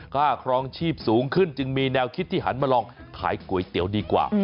ครองชีพสูงขึ้นจึงมีแนวคิดที่หันมาลองขายก๋วยเตี๋ยวดีกว่า